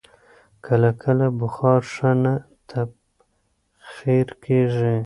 کله کله بخار ښه نه تبخیر کېږي.